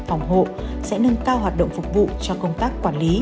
phòng hộ sẽ nâng cao hoạt động phục vụ cho công tác quản lý